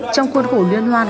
trong khuôn khổ liên hoan